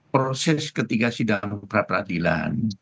proses ketiga sidang peradilan